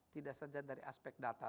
tidak saja dari aspek data